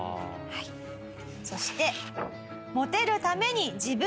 そして。